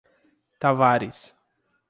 Tavares